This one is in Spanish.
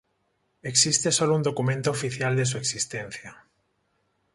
Existe solo un documento oficial de su existencia.